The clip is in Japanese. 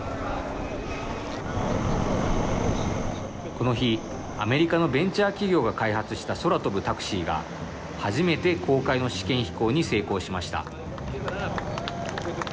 この日、アメリカのベンチャー企業が開発した空飛ぶタクシーが、初めて公開の試験飛行に成功しました。